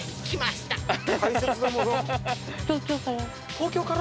東京から？